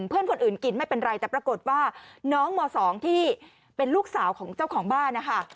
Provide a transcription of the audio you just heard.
เพื่อนคนอื่นกินไม่เป็นไรแต่ปรากฏว่าน้องม๒ที่เป็นลูกสาวของเจ้าของบ้านนะคะ